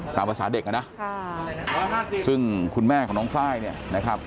ตามภาษาเด็กอ่ะนะซึ่งคุณแม่ของน้องไฟล์เนี่ยนะครับ